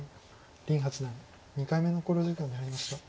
林八段２回目の考慮時間に入りました。